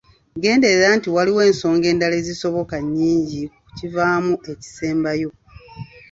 Genderera nti waliwo ensonga endala ezisoboka nnyingi ku kivaamu ekisembayo.